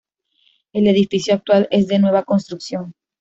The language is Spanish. El edificio actual es de nueva construcción.